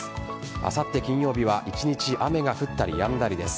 あさって金曜日は一日雨が降ったりやんだりです。